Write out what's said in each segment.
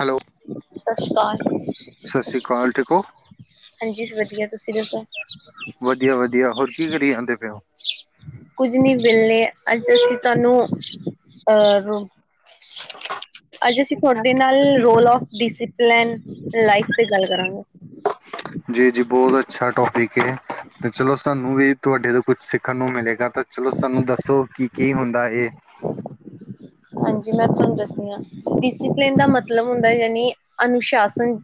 Hello ਸਤਿ ਸ੍ਰੀ ਅਕਾਲ। ਸਤਿ ਸ੍ਰੀ ਅਕਾਲ ਠੀਕ ਹੋ ਹਾਂਜੀ, ਵਧੀਆ, ਤੁਸੀ ਦੱਸੋ? ਵਧੀਆ, ਵਧੀਆ ਹੋਰ ਕੀ ਕਰੀ ਜਾਂਦੇ ਪਏ ਓ? ਕੁੱਝ ਨੀ ਵਿਹਲੇ, ਅੱਜ ਅਸੀ ਤਹਾਨੂੰ ਅ ਰੋ [inaudible] [inaudible] ਅੱਜ, ਅਸੀ ਤੁਆਡੇ ਨਾਲ ਰੋਲ ਔਫ ਡਿਸਿਪਲੈਨ ਲਾਈਫ ਤੇ ਗੱਲ ਕਰਾਂਗੇ। ਜੀ -ਜੀ ਬਹੁਤ ਅੱਛਾ ਟੋਪਿਕ ਤੇ ਚਲੋ ਸਾਨੂੰ ਵੀ ਤੁਹਾਡੇ ਤੋਂ ਕੁੱਛ ਸਿੱਖਣ ਨੂੰ ਮਿਲੇਗਾ ਤਾਂ ਚਲੋ ਸਾਨੂੰ ਦੱਸੋ ਕੀ- ਕੀ ਹੁੰਦਾ ਇਹ ਹਾਂਜੀ ਮੈਂ ਤੁਹਾਨੂੰ ਦੱਸਦੀ ਹਾਂ ਡਿਸਪਲਿਨ ਦਾ ਮਤਲਬ ਹੁੰਦਾ ਯਾਨੀ ਅਨੁਸ਼ਾਸਨ ਹੂੰ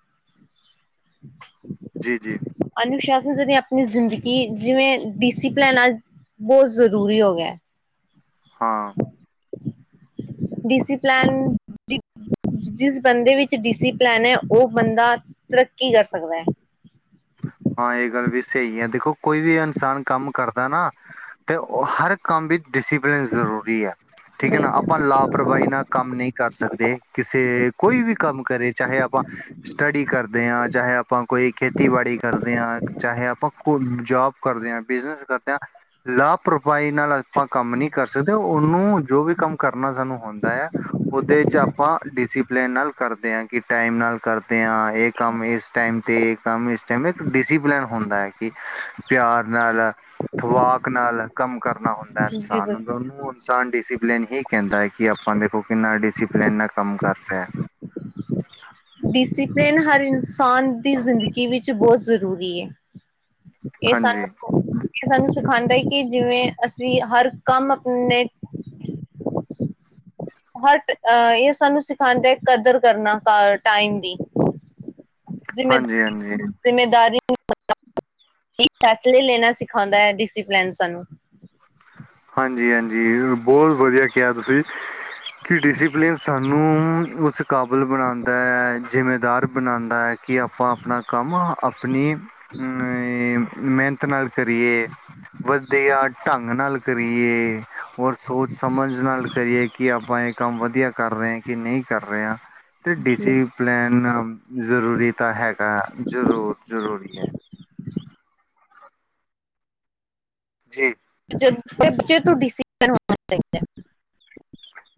ਜੀ ਜੀ ਅਨੁਸ਼ਾਸਨ ਜਰੀ ਆਪਣੀ ਜ਼ਿੰਦਗੀ ਜਿਵੇ ਡਿਸਪਲਨ ਆ ਬਹੁਤ ਜ਼ਰੂਰੀ ਹੋ ਗਿਆ ਹਾਂ ਡਸੀਪਲਨ ਜਿਦਾ ਜਿਸ ਬੰਦੇ ਵਿੱਚ ਡਿਸਿਪਲੈਨ ਹੈ ਉਹ ਬੰਦਾ ਤਰੱਕੀ ਕਰ ਸਕਦਾ ਹੈ ਹਾਂ ਇਹ ਗੱਲ ਵੀ ਸਹੀ ਹੈ ਦੇਖੋ ਕੋਈ ਵੀ ਇਨਸਾਨ ਕੰਮ ਕਰਦਾ ਨਾ ਤੇ ਹਰ ਕੰਮ ਵਿੱਚ ਡਿਸਿਪਲਿਨ ਜ਼ਰੂਰੀ ਹੈ ਠੀਕ ਹੈ ਨਾ ਆਪਾਂ ਬਿਲਕੁਲ ਲਾਭ ਲਾਪਰਵਾਹੀ ਨਾਲ ਕੰਮ ਨਹੀਂ ਕਰ ਸਕਦੇ ਕਿਸੇ ਕੋਈ ਵੀ ਕੰਮ ਕਰੇ ਚਾਹੇ ਆਪਾਂ ਸਟੱਡੀ ਕਰਦੇ ਹਾਂ ਚਾਹੇ ਆਪ ਆਪਾਂ ਕੋਈ ਖੇਤੀਬਾੜੀ ਕਰਦੇ ਹਾਂ ਚਾਹੇ ਆਪਾਂ ਕੋ ਜੋਬ ਕਰਦੇ ਹਾਂ ਬਿਜਨਸ ਕਰਦੇ ਹਾਂ ਲਾਪਰਵਾਹੀ ਨਾਲ ਆਪਾਂ ਕੰਮ ਨਹੀਂ ਕਰ ਸਕਦੇ ਉਹਨੂੰ ਜੋ ਵੀ ਕੰਮ ਕਰਨਾ ਸਾਨੂੰ ਹੁੰਦਾ ਹੈ ਉਹਦੇ ' ਆਪਾਂ ਡਿਸਪਲਨ ਨਾਲ ਕਰਦੇ ਹਾਂ ਕਿ ਟਾਈਮ ਨਾਲ ਕਰਦੇ ਹਾਂ ਇਹ ਕੰਮ ਇਸ ਟਾਈਮ ਤੇ ਇਹ ਕੰਮ ਇਸ ਟਮ ਡਪਲਨ ਹੁੰਦਾ ਹੈ ਕਿ ਪਿਆਰ ਨਾਲ ਵਾਕ ਨਾਲ ਕੰਮ ਕਰਨਾ ਹੁੰਦਾ ਜੀ ਇਨਸਾਨ ਨੂੰ ਬਿਲਕੁਲ ਦਨੂੰ ਇਨਸਾਨ ਡਸੀਪਲਨ ਹੀ ਕਹਿੰਦਾ ਹੈ ਕਿ ਆਪਾਂ ਦੇਖੋ ਕਿੰਨਾ ਡਸੀਪਲਨ ਨਾਲ ਕੰਮ ਕਰ ਰਿਹਾ ਹ ਡਿਸਪਲਿਨ ਹਰ ਇਨਸਾਨ ਦੀ ਜ਼ਿੰਦਗੀ ਵਿੱਚ ਬਹੁਤ ਜ਼ਰੂਰੀ ਹੈ ਇਹ ਹਾਂਜੀ ਸਾਨੂੰ ਇਹ ਸਾਨੂੰ ਸਿਖਾਉਂਦਾ ਹੀ ਕਿ ਜਿਵੇਂ ਅਸੀਂ ਹਰ ਕੰਮ ਆਪਣੇ ਹਰ ਇਹ ਸਾਨੂੰ ਸਿਖਾਉਂਦਾ ਹੈ ਕਦਰ ਕਰਨਾ ਟਾਈਮ ਦੀ ਹਾਂਜੀ ਹਾਂਜੀ ਜ਼ਿੰਮੇਦਾਰੀ ਫੈਸਲੇ ਲੈਣਾ ਸਿਖਾਉਦਾ ਹੈ ਡਿਸਪਲਨ ਸਾਨੂੰ ਹਾਂਜੀ ਹਾਂਜੀ ਬਹੁਤ ਵਧੀਆ ਕਿਹਾ ਤੁਸੀਂ ਕਿ ਡਿਸਪਲਿਨ ਸਾਨੂੰ ਹੂੰ ਉਸ ਕਾਬਲ ਬਣਾਉਂਦਾ ਹੈ ਜ਼ਿੰਮੇਦਾਰ ਬਣਾਉਂਦਾ ਹੈ ਕਿ ਆਪਾਂ ਆਪਣਾ ਕੰਮ ਆਪਣੀ ਅਮ ਮਿਹਨਤ ਨਾਲ ਕਰੀਏ ਵਧੀਆ ਢੰਗ ਨਾਲ ਕਰੀਏ ਔਰ ਸੋਚ ਸਮਝ ਨਾਲ ਕਰੀਏ ਕਿ ਆਪਾਂ ਇੱਕ ਕੰਮ ਵਧੀਆ ਕਰ ਰਹੇ ਹੈ ਕਿ ਨਹੀਂ ਕਰ ਰਿਹੇਹਾ ਅਤੇ ਡੀ ਸੀ ਪਲੈਨ ਜ਼ਰੂਰੀ ਤਾਂ ਹੈਗਾ ਜ਼ਰੂਰ ਜ਼ਰੂਰੀ ਹੈ ਜੀ ਜ਼ਿੰਦਗੀ ਚ ਡਿਸਪਲਨ ਹੋਣਾ ਚਾਹੀਦਾ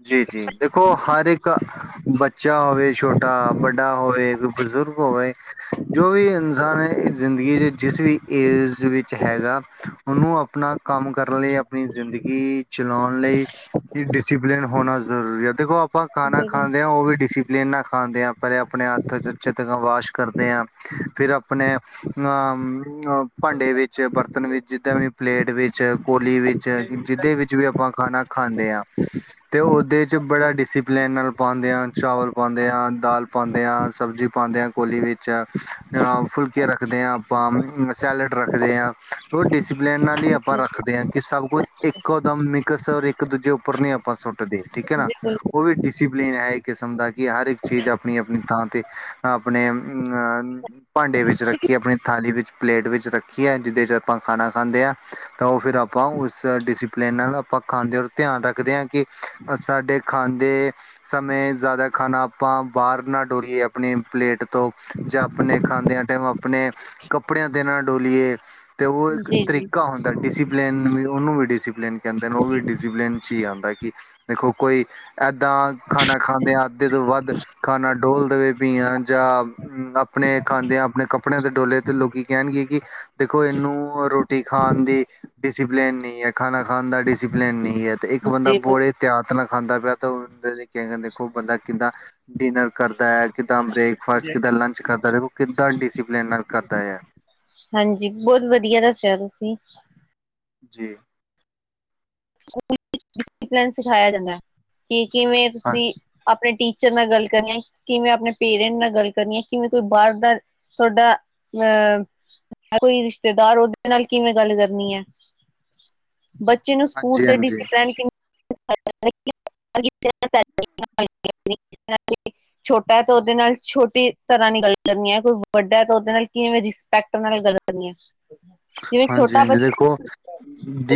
ਜੀ ਜੀ ਦੇਖੋ ਹਰ ਇੱਕ ਬੱਚਾ ਹੋਵੇ ਛੋਟਾ ਵੱਡਾ ਹੋਵੇ ਬੁਜ਼ੁਰਗ ਹੋਏ ਜੋ ਵੀ ਇਨਸਾਨ ਜ਼ਿੰਦਗੀ ਦੇ ਜਿਸ ਵੀ ਏਜ ਵਿੱਚ ਹੈਗਾ ਉਹਨੂੰ ਆਪਣਾ ਕੰਮ ਕਰਨ ਲਈ ਆਪਣੀ ਜ਼ਿੰਦਗੀ ਚਲਾਉਣ ਲਈ ਵੀ ਡਿਸਿਪਲਿਨ ਹੋਣਾ ਜ਼ਰੂਰੀ ਹੈ ਦੇਖੋ ਆਪਾਂ ਖਾਣਾ ਬਿਲਕੁਲ ਖਾਂਦੇ ਹਾਂ ਉਹ ਵੀ ਡਿਸਪ ਪਲੇਨਾ ਖਾਂਦੇ ਹਾਂ ਪਹਿਲੇ ਆਪਣੇ ਹੱਥ ਚੰਗੀ ਤਰ੍ਹਾਂ ਵਾਸ਼ ਕਰਦੇ ਹਾਂ ਫਿਰ ਆਪ ਆਪਣੇ ਭਾਂਡੇ ਵਿੱਚ ਬਰਤਨ ਵਿੱਚ ਜਿੱਦਾਂ ਵੀ ਪਲੇਟ ਵਿੱਚ ਕੋਲੀ ਵਿੱਚ ਜਿਹਦੇ ਵਿੱਚ ਵੀ ਆਪਾਂ ਖਾਣਾ ਖਾਂਦੇ ਹਾਂ ਤੇ ਉਹਦੇ ਚ ਬੜਾ ਡਿਸਿਪਲਨ ਨਾਲ ਪਾਉਂਦੇ ਹਾਂ ਚਾਵਲ ਪਾਉਂਦੇ ਹਾਂ ਦਾਲ ਪਾਉਂਦੇ ਹਾਂ ਸਬਜ਼ੀ ਪਾਉਂਦੇ ਹ ਕੋਲੀ ਵਿੱਚ ਅ ਫੁਲਕੇ ਰੱਖਦੇ ਹਾਂ ਆਪਾਂ ਸੈਲਡ ਰੱਖਦੇ ਹਾਂ ਡਿਸਪਲੇਨ ਨਾਲ ਹੀ ਆਪਾਂ ਰੱਖਦੇ ਹਾਂ ਕਿ ਸਭ ਕੁਝ ਇੱਕੋ ਦਮ ਮਿਕਸ ਔਰ ਇੱਕ ਦੂਜੇ ਉੱਪਰ ਨ ਆਪਾਂ ਸੁੱਟ ਉੱਟਦੇ ਠੀਕ ਹੈ ਨਾ ਉਹ ਵੀ ਡਿਸਪਲੀਨ ਹੈ ਇੱਕ ਕਿਸਮ ਦਾ ਕਿ ਹਰ ਇੱਕ ਚੀਜ਼ ਆਪਣੀ ਆਪਣੀ ਥਾਂ ਤੇ ਆਪਣੇ ਅ ਭਾਂਡੇ ਵਿੱਚ ਰੱਖੀਏ, ਆਪਣੀ ਥਾਲੀ ਵਿੱਚ, ਪਲੇਟ ਵਿੱਚ ਰੱਖੀਏ। ਜਿਹਦੇ ਚ' ਆਪਾਂ ਖਾਣਾ ਖਾਂਦੇ ਆ ਤਾਂ ਉਹ, ਫਿਰ ਆਪਾਂ ਉਸ ਡਿਸਿਪਲਨ ਨਾਲ, ਆਪਾਂ ਖਾਂਦੇ ਔਰ ਧਿਆਨ ਰੱਖਦੇ ਹਾਂ ਕਿ ਸਾਡੇ ਖਾਂਦੇ ਸਮੇਂ ਜ਼ਿਆਦਾ ਖਾਣਾ, ਆਪਾਂ ਬਾਹਰ ਨਾ ਡੋਲੀਏ ਆਪਣੀ ਪਲੇਟ ਤੋਂ ਜਾਂ ਆਪਣੇ, ਖਾਂਦਿਆਂ ਟਾਈਮ, ਆਪਣੇ ਕੱਪੜਿਆਂ ਤੇ ਨਾ ਡੋਲੀਏ ਅਤੇ ਉਹ ਇੱਕ ਜੀ ਜੀ, ਤਰੀਕਾ ਹੁੰਦਾ, ਡਿਸੀਪਲਿਨ ਵੀ ਉਹਨੂੰ ਵੀ ਡਿਸੀਪਲੀਨ ਕਹਿੰਦੇ ਨੇ, ਉਹ ਵੀ ਡਿਸਪਲਿਨ ਜੀ ਆਦਾ ਕਿ, ਦੇਖੋ ਕੋਈ ਏਦਾਂ ਖਾਣਾ ਖਾਂਦਿਆ ਆ ਜਦੋ ਵੱਧ, ਖਾਣਾ ਡੋਲ ਦੇਵੇ ਪੀਆ ਜਾਂ ਆਪਣੇ ਖਾਂਦਿਆਂ, ਆਪਣੇ ਕੱਪੇ ਕਪੜਿਆ, ਤੇ ਡੋਲੇ ਲੋਕੀ ਕਹਿਣਗੇ ਕਿ ਦੇਖੋ, ਇਹਨੂੰ ਰੋਟੀ ਖਾਣ ਦੀ ਡਿਸੀਪਲਨ ਨਹੀਂ ਹੈ। ਖਾਣਾ ਖਾਣ ਦਾ ਡਿਸੀਪਲਨ, ਨਹੀਂ ਹੈ। ਤੇ ਇੱਕ ਬੰਦਾ ਜੀ ਹੱਥ ਨਾਲ ਖਾਂਦਾ ਪਿਆ ਤੇ, ਉਹਦੇ ਦੇਖੋ ਬੰਦਾ ਕਿੱਦਾਂ ਡਿਨਰ ਕਰਦਾ ਹੈ। ਕਿੱਦਾਂ ਬ੍ਰੇਕਫਾਸਟ, ਕਿੱਦਾਂ ਲੰਚ, ਕਰਦਾ ਦੇਖੋ ਕਿੱਦਾਂ ਡਿਸੀਪਲਨ ਨਾਲ ਕਰਦਾ ਆ ਹਾਂਜੀ, ਬਹੁਤ ਵਧੀਆ ਦੱਸਿਆ ਤੁਸੀਂ ਜੀ ਸਕੂਲ ਵਿਚ ਡਿਸੀਪਲਨ ਸਿਖਾਇਆ ਜਾਂਦਾ, ਕਿ ਕਿਵੇਂ, ਹਾਂ ਤੁਸੀਂ ਆਪਣੇ ਟੀ ਟੀਚਰ ਨਾਲ ਗੱਲ ਕਰਨੀ ਆ, ਕਿਵੇਂ ਆਪਣੇ ਪੇਰੈਂਟ ਨਾਲ ਗੱਲ ਕਰਨੀ ਏ, ਕਿਵੇਂ ਕੋਈ ਬਾਹਰ ਦਾ ਤੁਹਾਡਾ ਅ ਮ ਤੁਹਾਡਾ ਐ ਕੋਈ ਰਿਸ਼ਤੇਦਾਰ, ਉਹਦੇ ਨਾਲ ਕਿਵੇਂ, ਗੱਲ ਕਰਨੀ ਹੈ। ਬੱਚੇ ਨੂੰ ਸਕੂਲ ਹਾਂਜੀ ਤੇ ਹਾਂਜੀ ਡਪਨੰ [unintelligible] [inaudible] [unintelligible] [inaudible] ਛੋਟਾ ਤੇ, ਉਹਦੇ ਨਾਲ ਛੋਟੀ ਤਰ੍ਹਾਂ ਦੀ, ਗੱਲ ਕਰਨੀ ਹੈ, ਕੋਈ ਵੱਡਾ ਤੇ ਉਹਦੇ ਨਾਲ ਕਿਵੇਂ ਰਿਸਪੈਕਟ, ਨਾਲ ਗੱਲ ਕਰਨੀਆ ਹਾਂਜੀ, ਹਾਂਜੀ ਦੇਖੋ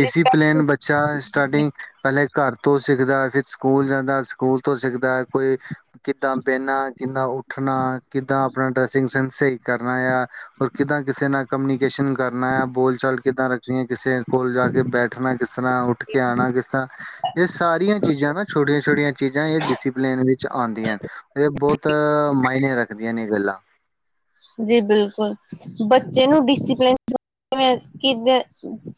ਰਿਸਪੈਕਟ ਬੱਚ ਅੱਛਾ, ਸਟਾਰਟਿੰਗ ਪਹਿਲੇ ਘਰ ਤੋਂ ਸਿੱਖਦਾ, ਫਿਰ ਸਕੂਲ ਜਾਂਦਾ ਸਕੂਲ, ਤੋਂ ਸਿੱਖਦਾ ਕੋਈ ਕਿੱਦਾਂ ਬਹਿਣਾ, ਕਿੱਦਾਂ ਉੱਠਣਾ, ਕਿੱਦਾਂ ਆਪਣਾ ਡਰੈਸਿੰਗ ਸੈਂਸ ਸਈ ਕਰਨਾ ਆ, ਹੋਰ ਕਿੱਦਾਂ ਕਿਸੇ ਨਾਲ ਕਮਨੀਕੇਸ਼ਨ ਕਰਨਾ ਆ, ਬੋਲ ਚਾਲ ਕਿੱਦਾਂ ਰੱਖਣੀ ਹੈ, ਕਿਸੇ ਕੋਲ ਜਾ ਕੇ ਬੈਠਣਾ ਕਿਸ ਤਰ੍ਹਾਂ, ਉੱਠ ਕੇ ਆਉਣਾ ਕਿਸ ਤਰ੍ਹਾਂ ਇਹ ਸਾਰੀਆਂ ਚੀਜ਼ਾਂ ਨਾ, ਛੋਟੀਆਂ- ਛੋਟੀਆਂ ਚੀਜ਼ਾਂ ਇਹ ਡਿਸਪਲਿਨ ਵਿੱਚ ਆਉਂਦੀਆਂ ਨ ਇਹ ਬਹੁਤਾ ਮਾਇਨੇ, ਰੱਖਦੀਆਂ ਨੇ ਇਹ ਗੱਲਾਂ ਜੀ ਬਿਲਕੁਲ, ਬੱਚੇ ਨੂੰ ਡਿਸਪਲਿਨ ਕਿ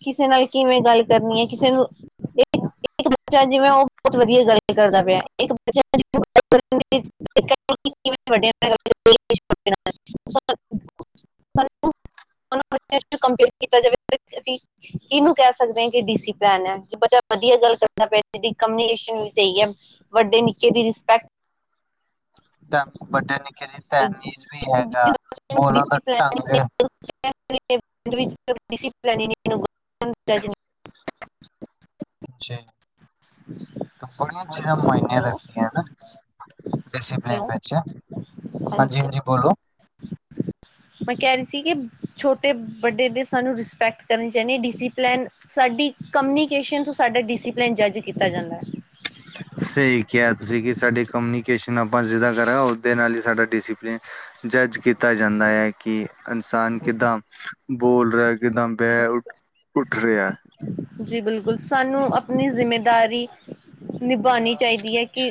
ਕਿਸੇ ਨਾਲ, ਕਿਵੇਂ ਗੱਲ ਕਰਨੀ ਏ, ਕਿਸੇ ਨੂੰ ਏਹ ਇੱਕ ਬੱਚਾ ਜਿਵੇਂ ਉਹ ਬਹੁਤ ਵਧੀਆ ਗੱਲ ਕਰਦਾ ਪਿਆ, ਇੱਕ ਬੱਚਾ [inaudible] [unintelligible] [inaudible] [unintelligible] ਕੰਪੇਅਰ ਕੀਤਾ ਜਾਵੇ ਅਸੀ [inaudible] ਇਹਨੂੰ ਕਹਿ ਸਕਦੇ ਐ ਕਿ ਡਿਸੀਪਲੇਨ ਹੈ, ਬੱਚਾ ਵਧੀਆ ਗੱਲ ਕਰਦਾ ਪਿਆ ਇਹਦੀ ਕਮਨੀਕੇਸ਼ਨ, ਵੀ ਸਹੀ ਐ ਵੱਡੇ, ਨਿੱਕੇ ਦੀ ਰਿਸਪੈਕਟ ਵੱਡੇ ਨਿੱਕੇ ਦੀ, ਤਹਿਮੀਜ਼ ਵੀ ਹੈਗਾ ਬੋਲਨ ਦਾ, ਢੰਗ [unintelligible] [inaudible] ਜੀ, ਕੰਪਨੀਆ ਚੇਅਰ ਮਾਇਨੇ ਹੈਲੋ ਰੱਖਦੀਆਂ ਹਨਾ ਡਿਸੀਪਲਿਨ ਹੈਲੋ ਵਿੱਚ ਹਾਂਜੀ, ਹਾਂਜੀ ਬੋਲੋ [unintelligible] [inaudible] ਮੈਂ ਕਹਿ ਰਹੀ ਸੀ, ਕਿ ਛੋਟੇ ਵੱਡੇ ਦੀ ਸਾਨੂੰ ਰਿਸਪੈਕਟ ਕਰਨੀ ਚਾਹੀਦੀ, ਡਿਸੀਪਲੇਨ ਸਾਡੀ ਕਮਨੀਕੇਸ਼ਨ ਤੋਂ ਸਾਡਾ, ਡਿਸੀਪਲਿਨ ਜੱਜ ਕੀਤਾ ਜਾਂਦਾ ਹੈ ਸਹੀ ਕਿਹਾ ਤੁਸੀਂ, ਕਿ ਸਾਡੀ ਕਮਨੀਕੇਸ਼ਨ ਆਪਾਂ ਜਿਦਾ ਕਰਾਂ ਉਹਦੇ ਨਾਲ ਹੀ ਸਾਡਾ, ਡਿਸੀਪਲੀਨ ਜੱਜ ਕੀਤਾ, ਜਾਂਦਾ ਹੈ। ਕਿ ਇਨਸਾਨ ਕਿੱਦਾਂ ਬੋਲ ਰਿਹਾ, ਕਿੱਦਾਂ ਬੈਹ ਉੱਠ ਰਿਹਾ ਜੀ ਬਿਲਕੁਲ, ਸਾਨੂੰ ਅਪਣੀ ਜਿੰਮੇਦਾਰੀ ਨਿਭਾਣੀ ਚਾਹੀਦੀ ਹੈ ਕਿ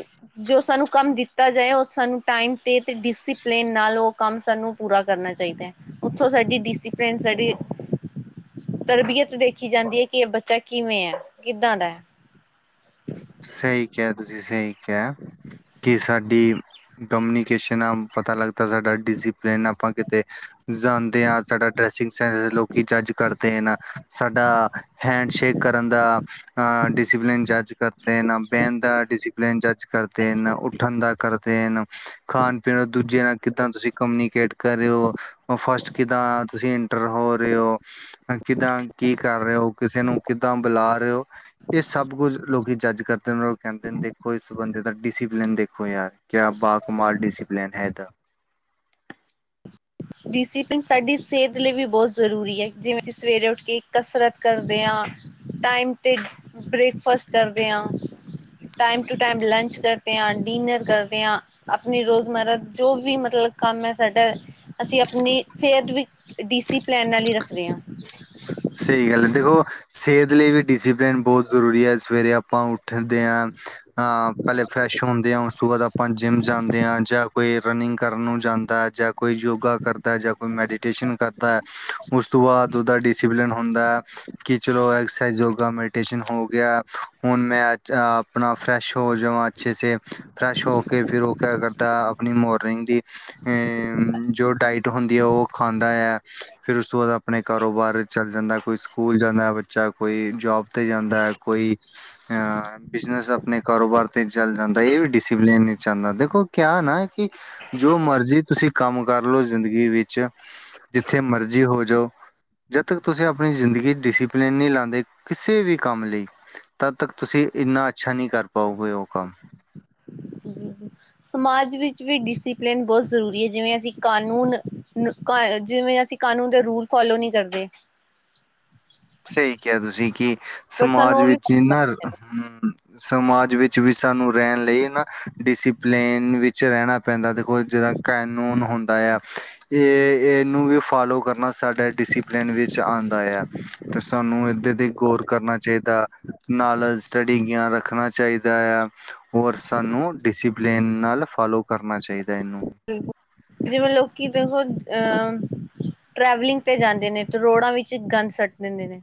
ਜੋ ਸਾਨੂੰ ਕੰਮ ਦਿੱਤਾ ਜਾਏ ਓ ਸਾਨੂੰ ਟਾਈਮ ਤੇ, ਤੇ ਡਿਸਿਪਲੇਨ ਨਾਲ ਓ ਕਾੰਮ ਸਾਨੂੰ ਪੂਰਾ ਕਰਨਾ ਚਾਹੀਦਾ ਐ। ਉੱਥੋਂ ਸਾਡੀ ਡਿਸਿਪਲਿਨ ਸਾਡੀ ਤਰਬੀਅਤ ਦੇਖੀ ਜਾਂਦੀ ਏ, ਕਿ ਏ ਬੱਚਾ ਕਿਵੇਂ ਐ ਕਿੱਦਾਂ ਦਾ ਐ। ਸਹੀ ਕੇਆ, ਤੁਸੀ ਸਹੀਂ ਕੇਅ। ਕੇ ਸਾਡੀ, ਕਮਨੀਕੇਸ਼ਨ ਆ ਪਤਾ ਲੱਗਦਾ ਸਾਡਾ ਡਿਸਿਪੇਲਨ ਆਪਾਂ ਕਿਤੇ ਜਾ਼ਂਦੇ ਆ ਸਾਡਾ ਡਰੈਸਿੰਗ ਸੈਂਸ, ਲੋਕੀ ਜੱਜ ਕਰਦੇ ਨ ਸਾਡਾ ਹੈਂਡ ਸ਼ੇਕ ਕਰਨ ਦਾ ਡਿਸਿਪਲਿਨ ਜੱਜ ਕਰ ਤੇ ਨਾ ਬੇਨ ਦਾ ਡਿਸਿਪਲੇਨ ਜੱਜ ਕਰਦੇ ਨ, ਨਾ ਉੱਠਨ ਦਾ ਕਰਦੇ ਨ ਖਾਣ-ਪੀਣ, ਦੂਜੇਆਂ ਨਾਲ ਕਿੱਦਾਂ ਤੁਸੀਂ ਕਮਨੀਕੇਟ ਕਰ ਰੇ ਓ। ਉਹ ਫਸਟ ਕਿਦਾਂ ਤੁਸੀਂ ਏੰਟਰ ਹੋ ਰਹੇ ਹੋ। ਕਿੱਦਾਂ ਕੀ ਕਰ ਰਹੇ ਹੋ, ਕਿਸੇ ਨੂੰ ਕਿੱਦਾਂ ਬੁਲਾ ਰਹੇ ਹੋ। ਇਹ ਸਭ ਕੁੱਝ ਲੋਕੀ ਜੱਜ ਕਰਦੇ ਨੇ, ਓ ਕੈਂਦੇ ਨ ਦੇਖੋ ਇਸ ਬੰਦੇ ਦਾ ਡਿਸਿਪੇਲਨ ਦੇਖੋ ਯਾਰ, ਕੇਆ ਬਾਕਮਾਲ ਡਿਸਿਪੇਲਨ ਹੈ ਏਦਾ। ਡਿਸਿਪਲਿਨ ਸਾਡੀ ਸੇਹਤ ਲਈ ਵੀ ਬਹੁਤ ਜ਼ਰੂਰੀ ਅ, ਜਿਵੇਂ ਅਸੀਂ ਸਵੇਰੇ ਉੱਠ ਕੇ ਕਸਰਤ ਕਰਦੇ ਹਾਂ। ਟਾਈਮ ਤੇ, ਬ੍ਰੇਕਫਾਸਟ ਕਰਦੇ ਆਂ। ਟਾਈਮ ਟੂ ਟਾਈਮ ਲੰਚ ਕਰਦੇ ਆ, ਡਿਨਰ ਕਰਦੇ ਆ। ਅਪਣੀ ਰੋਜ਼ਮਰਾ ਜੋ ਵੀ ਮਤਲਬ ਕੰਮ ਹੈ ਸਾਡਾ ਅਸੀਂ ਅਪਨੀ, ਸੇਹਤ ਵੀ ਡੀਸੀਪੇਲਨ ਨਾਲ ਈ ਰੱਖਰੇ ਆਂ। ਸਈ ਗੱਲ ਏ, ਦੇਖੋ ਸੇਹਤ ਲਈ ਵੀ ਡਿਸਿਪਲੇਨ ਬੋਤ ਜ਼ਰੂਰੀ ਐ ਸਵੇਰੇ ਆਪਾਂ ਉੱਠਦੇ ਆਂ ਹਾਂ, ਪੈਲੇ ਫਰੈਸ਼ ਹੁੰਦੇ ਆ, ਉਸ ਤੋਂ ਬਾਦ ਆਪਾਂ ਜਿੰਮ ਜਾਂਦੇ ਆਂ ਜਾਂ ਕੋਈ ਰਨਿੰਗ ਕਰਨ ਨੂੰ ਜਾਂਦੈ, ਜਾਂ ਕੋਈ ਯੋਗਾ ਕਰਦੈ ਜਾਂ ਕੋਈ ਮੈਡੀਟੇਸ਼ਨ ਕਰਦੈ ਉਸ ਤੋਂ ਬਾਦ ਓਦਾ ਡਿਸਿਪਲੇਨ ਹੋਂਦੈ, ਕਿ ਚਲੋ ਐਕਸਰਸਾਈਜ਼ ਯੋਗਾ ਮੇਡੀ ਟੇਸ਼ਨ ਹੋ ਗੇਆ, ਹੋਨ ਮੈਂ ਆੱਜ ਆਪਨਾ ਫ੍ਰੈਸ਼ ਹੋ ਜਾਵਾਂ। ਅੱਛੇ ਸੇ, ਫ੍ਰੇਸ਼ ਹੋ ਕੇ ਫੇਰ ਓ ਕੇਆ ਕਰਦਾ ਆਪਨੀ ਮੋਰਨਿੰਗ ਦੀ ਏਂ ਜੋ ਡਾਇਟ ਹੋਂਦੀ ਆ, ਓ ਖਾਂਦਾ ਯਾ, ਫੇਰ ਉਸ ਤੋਂ ਬਾਦ ਆਪਣੇ ਕਾਰੋਬਾਰ ਚ ਚਲ ਜਾਂਦਾ, ਕੋਈ ਸਕੂਲ ਜਾਂਦੈ ਬੱਚਾ, ਕੋਈ ਜੌਬ ਤੇ ਜਾਂਦੈ, ਕੋਈ ਅ ਬਿਜਨਸ ਆਪਨੇ ਕਾਰੋਬਾਰ ਤੇ ਚਲ ਜਾਂਦੈ ਏ ਵੀ ਡਿਸਿਪੇਲਨ ਚ ਆਂਦੈ, ਦੇਖੋ ਕੇਆ ਨਾ ਕਿ ਜੋ ਮਰਜ਼ੀ ਤੁਸੀਂ ਕਾੰਮ ਕਾਰ ਲੋ ਜ਼ਿੰਦਗੀ ਵਿੱਚ, ਜਿੱਥੇ ਮਰਜੀ ਹੋ ਜੋ ਜਦ ਤੱਕ ਤੁਸੀਂ ਆਪਣੀ ਜ਼ਿੰਦਗੀ ਚ ਡਿਸੀਪੇਲਨ ਨਈ ਲਾਂਦੇ, ਕਿਸੇ ਵੀ ਕਾੰਮ ਲਈ ਤਦ ਤੱਕ ਤੁਸੀਂ, ਇੰਨਾ ਅੱਛਾ ਨਈ ਕਰ ਪਾਓਗੇ ਓ ਕਾੰਮ। ਜੀ, ਜੀ, ਜੀ। ਸਮਾਜ ਵਿੱਚ ਵੀ ਡਿਸਪਲਿਨ ਬਹੁਤ ਜ਼ਰੂਰੀ ਐ, ਜਿਵੇਂ ਅਸੀਂ ਕਾਨੂੰਨ ਕ ਜਿਵੇਂ ਅਸੀਂ ਕਾਨੂੰਨ ਦੇ ਰੂਲ ਫੋਲੋ ਨਈ ਕਰਦੇ। ਸਹੀ ਕਿਹਾ ਤੁਸੀਂ ਕਿ ਪਰ ਸਾਨੂੰ ਸਮਾਜ ਉਹ ਵੀ ਵਿੱਚ ਇੰਨਾ ਹੂੰ, ਸਮਾਜ ਵਿੱਚ ਵੀ ਸਾਨੂੰ ਰੈਣ ਲਈ ਨਾ ਡਿਸਪਲੇਨ ਵਿੱਚ ਰਹਿਣਾ ਪੈਂਦਾ, ਦੇਖੋ ਜੇੜਾ ਕਾਨੂੰਨ ਹੁੰਦਾ ਯਾ ਏ, ਏਨੂੰ ਵੀ ਫਾਲੋ ਕਰਨਾ ਸਾਡੇ ਡਿਸਿਪਲੇਨ ਵਿੱਚ ਆਂਦਾ ਯਾ। ਤੇ ਸਾਨੂੰ ਏਦੇ ਤੇ ਗੌਰ ਕਰਨਾ ਚਾਈਦਾ। ਨਾਲ ਸਟੱਡੀ ਗੇਆਨ ਰੱਖਨਾ ਚਾਈਦਾ ਯਾ। ਹੋਰ ਸਾਨੂੰ ਡਿਸਿਪੇਲੇਨ ਨਾਲ ਫਾਲੋ ਕਰਨਾ ਚਾਈਦਾ ਐਨੂੰ। ਬਿਲਕੁਲ, ਜਿਵੇਂ ਲੋਕੀ ਦੇਖੋ ਅੰ ਟਰੈਵਲਿੰਗ ਤੇ ਜਾਂਦੇ ਨੇ, ਤੇ ਰੋੜਾਂ ਵਿੱਚ ਗਾੰਦ ਸੱਟ ਦੇੰਦੇ ਨੇ।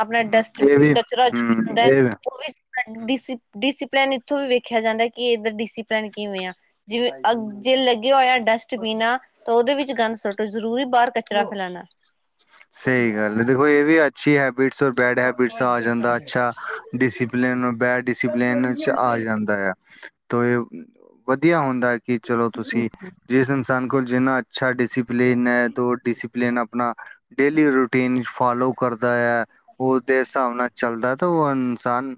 ਆਪਣਾ ਹਮ ਡਸਟ ਇਹ ਵੀ ਕਚਰਾ ਜੋ ਵੀ ਹਮ ਹੁੰਦਾ ਹੈ ਇਹ ਉਹ ਵੀ ਡ ਡਿਸਿਪਲਿਨ ਇੱਥੋਂ ਵੀ ਵੇਖਿਆ ਜਾਂਦਾ ਕਿ ਇਹਦਾ ਡਿਸਿਪਲਨ ਕਿਵੇਂ ਆ ਜਿਵੇਂ ਅ ਜੇ ਲੱਗੇਿਆ ਹੋਇਆ ਡਸਟਬਿਨਾ ਆ ਤਾਂ ਉਹਦੇ ਵਿੱਚ ਗੰਦ ਸੁੱਟੋ ਜ਼ਰੂਰੀ ਬਾਹਰ ਕਚਰਾ ਫੈਲਾਣਾ। ਸਈ ਗਾੱਲ ਏ, ਦੇਖੋ ਏ ਵੀ ਅੱਛੀ ਹੈਬਿਟਸ ਬੈਡ ਹੈਬਿਟਸ ਆ ਜਾਂਦਾ ਅੱਛਾ ਡਿਸਪਲਿਨ ਬੈਡ ਡਿਸਪਲਨ 'ਚ ਆ ਜਾਂਦਾ ਆ। ਤੋ ਏ ਵਦੀਆ ਹੁੰਦੈ ਹੈ ਕਿ ਚਲੋ ਤੂਸੀ ਜਿਸ ਇਨਸਾਨ ਕੋਲ, ਜਿੰਨਾ ਅੱਛਾ ਡਿਸਿਪਲਿਨ ਹੈ, ਦੋ ਡਿਸਿਪਲਿਨ ਆਪਣਾ ਡੇਲੀ ਰੂਟੀਨ ਫੋਲੋ ਕਰਦਾ ਹੈ', ਉਹਦੇ ਹਿਸਾਬ ਨਾਲ ਚਲਦਾ, ਤਾਂ ਉਹ ਇਨਸਾਨ।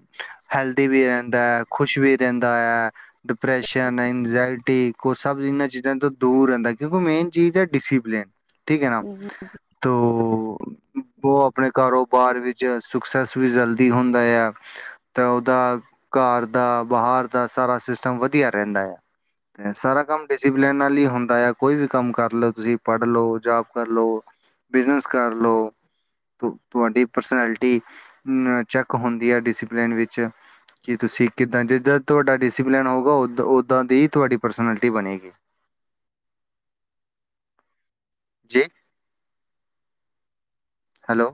ਹੈਲਦੀ ਵੀ ਰਹਿੰਦਾ' ਹੈ, ਖ਼ੁਸ਼ ਵੀ ਰਹਿੰਦਾ ਹੈ', ਡਿਪਰੈਸ਼ਨ' ਇੰਜਾਇ' ਕਿ ਸਭ ਇਹਨਾਂ ਚੀਜ਼ਾਂ ਤੋਂ ਦੂਰ ਰਹਿੰਦਾ ਹੈ ਕਿਉਂਕਿ ਮੇਨ ਚੀਜ਼ ਹੈ ਡੀਸੀਪਲਿਨ ਠੀਕ ਹੈ ਨਾ। ਤੋ ਉਹ ਆਪਣੇ ਕਾਰੋਬਾਰ ਵਿੱਚ ਸਕਸੈਸ ਵੀ ਜਲਦੀ ਹੁੰਦਾ ਆ। ਤੇ ਉਹਦਾ ਘਰ ਦਾ ਬਾਹਰ ਦਾ ਸਾਰਾ ਸਿਸਟਮ ਵਧੀਆ ਰਹਿੰਦਾ ਆ। ਤੇ ਸਾਰਾ ਕੰਮ ਡਿਸਪਲਨ ਨਾਲ ਹੀ ਹੁੰਦਾ ਆ ਕੋਈ ਵੀ ਕੰਮ ਕਰ ਲਉ, ਤੁਸੀਂ ਪੜ੍ਹ ਲਓ, ਜੋਬ ਕਰ ਲਓ। ਬਿਜ਼ਨਸ ਕਰ ਲਓ। ਤੁਹਾਡੀ ਪਰਸਨੈਲਿਟੀ ਚੈੱਕ ਹੁੰਦੀ ਹੈ ਡਿਸਪਲਨ ਵਿੱਚ। ਕਿ ਤੁਸੀਂ ਕਿੱਦਾਂ ਜਿੱਦਾਂ ਤੁਹਾਡਾ ਡਿਸਸੀਪਲਿਨ ਹੋਊਗਾ ਉਦਾਂ ਓਦਾਂ ਦੀ ਹੀ ਤੁਹਾਡੀ ਪਰਸਨੈਲਿਟੀ ਬਣੇਗੀ। ਜੀ। ਹੈਲੋ?